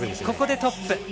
ここでトップ。